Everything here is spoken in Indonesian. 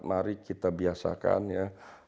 mari kita biasakan ya